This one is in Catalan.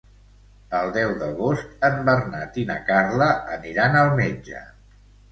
El deu d'agost en Bernat i na Carla aniran al metge.